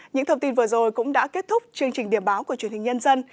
những thông tin vừa rồi cũng đã kết thúc chương trình điểm báo của truyền hình nhân dân